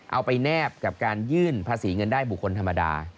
เอาไปแนบกับการยื่นภาษีเงินได้บุคคลธรรมดา